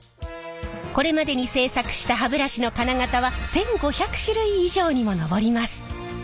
これまでに製作した歯ブラシの金型は１，５００種類以上にも上ります。